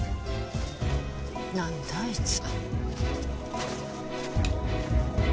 何だあいつ。